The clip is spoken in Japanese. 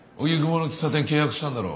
荻窪の喫茶店契約したんだろ。